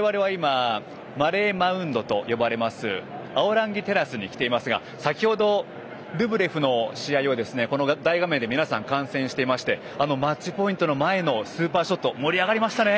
我々は今マレー・マウントと呼ばれますアオランギテラスに来ていますが先ほどルブレフの試合を大画面で皆さん観戦していましてマッチポイントの前のスーパーショット盛り上がりましたね。